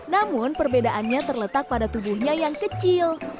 namun perbedaannya terletak pada tubuhnya yang kecil